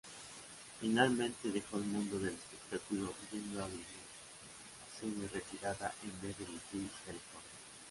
Finalmente dejó el mundo del espectáculo, yendo a vivir semi-retirada en Beverly Hills, California.